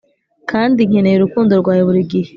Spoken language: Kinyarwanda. kandi nkeneye urukundo rwawe burigihe